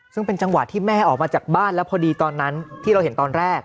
ซึ่งเป็นจังหวะที่แม่ออกมาจากบ้านแล้วพอดีตอนนั้นที่เราเห็นตอนแรก